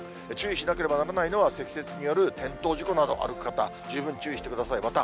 注意しなければならないのは、積雪による転倒事故など、歩く方、十分注意してください。